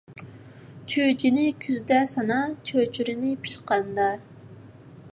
چۈجىنى كۈزدە سانا، چۆچۈرىنى پىشقاندا